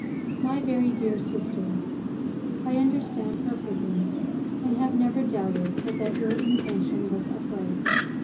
MY VERY DEAR SISTER, I understand perfectly, and have never doubted but that your intention was upright.